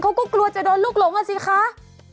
กลัวจะโดนลูกหลงอ่ะสิคะ